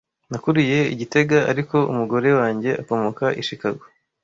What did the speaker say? Nakuriye i gitega, ariko umugore wanjye akomoka i Chicago.